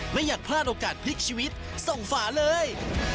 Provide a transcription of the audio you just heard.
ไม่อยากพลาดโอกาสพลิกชีวิตส่งฝาเลย